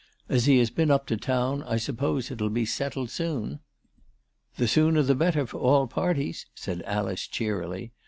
" As he has been up to town I suppose it'll be settled soon." " The sooner the better for all parties," said Alice cheerily.